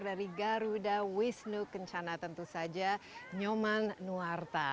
dari garuda wisnu kencana tentu saja nyoman nuwarta